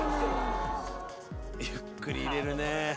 ゆっくり入れるね。